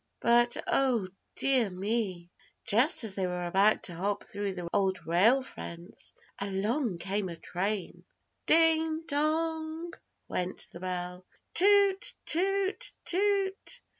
But, Oh dear me! Just as they were about to hop through the Old Rail Fence, along came a train. "Ding, dong!" went the bell. "Toot toot toot!"